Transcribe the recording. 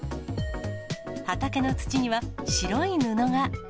畑の土には白い布が。